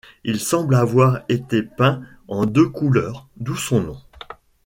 Il semble avoir été peint en deux couleurs, d’où son nom.